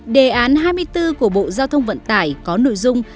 đề án hai mươi bốn của bộ giao thông vận tải có nội dung